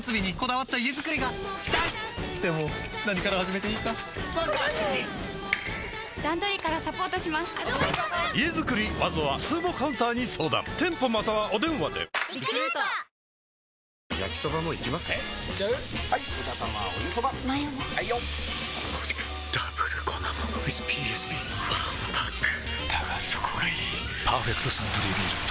わんぱくだがそこがいい「パーフェクトサントリービール糖質ゼロ」